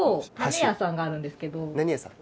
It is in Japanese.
何屋さん？